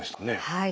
はい。